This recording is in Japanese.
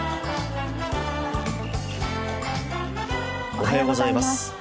おはようございます。